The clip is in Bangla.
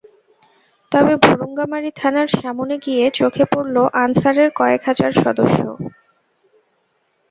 তবে ভুরুঙ্গামারী থানার সামনে গিয়ে চোখে পড়ল আনসারের কয়েক হাজার সদস্য।